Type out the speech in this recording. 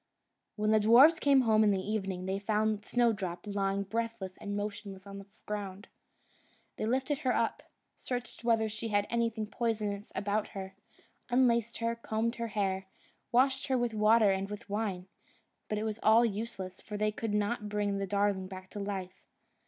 When the dwarfs came home in the evening, they found Snowdrop lying breathless and motionless on the ground. They lifted her up, searched whether she had anything poisonous about her, unlaced her, combed her hair, washed her with water and with wine; but all was useless, for they could not bring the darling back to life.